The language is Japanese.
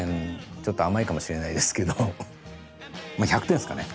ちょっと甘いかもしれないですけどまあ１００点ですかね。